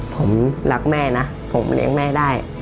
ผมรักแม่นะผมเลี้ยงแม่ได้